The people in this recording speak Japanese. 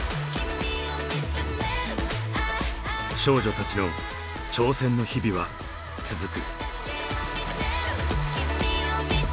少女たちの挑戦の日々は続く。